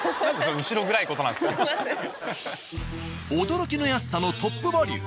驚きの安さのトップバリュ。